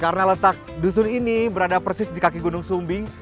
karena letak dusun ini berada persis di kaki gunung sumbi